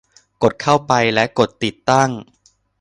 กดเข้าไป และกดติดตั้ง